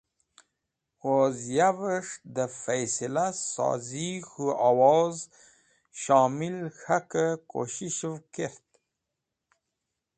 Woz yaves̃h de faisila sozi k̃hu owoz shomil k̃hake kusheshev kert.